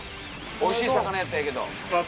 おいしい魚やったらええけど。